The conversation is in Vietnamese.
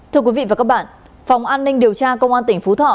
thưa quý vị và các bạn phòng an ninh điều tra công an tỉnh phú thọ